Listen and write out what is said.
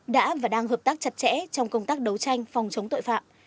đã và đang hợp tác chặt chẽ trong công tác đấu tranh phòng chống tội phạm